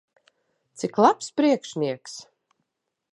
Cik labs priekšnieks!